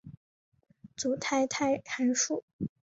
组态态函数。